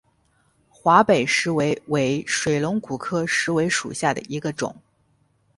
华北石韦为水龙骨科石韦属下的一个种。